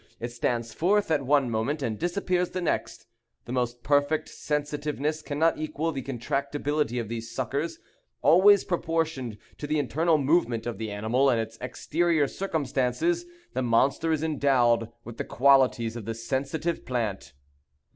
It stands forth at one moment and disappears the next. The most perfect sensitiveness cannot equal the contractibility of these suckers; always proportioned to the internal movement of the animal, and its exterior circumstances. The monster is endowed with the qualities of the sensitive plant.